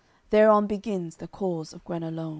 Thereon begins the cause of Gueneloun.